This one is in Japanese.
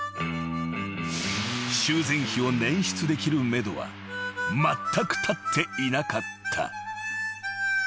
［修繕費を捻出できるめどはまったく立っていなかった］